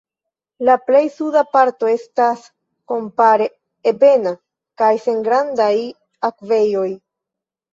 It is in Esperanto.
La plej suda parto estas kompare ebena kaj sen grandaj akvejoj.